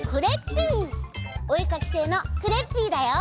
おえかきせいのクレッピーだよ！